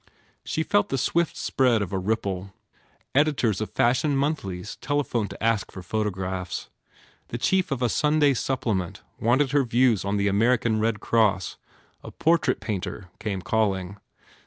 He felt the swift spread of a ripple; editors of fashion monthlies telephoned to ask for photographs; the chief of a Sunday supple ment wanted her views on the American Red Cross; a portrait painter came calling.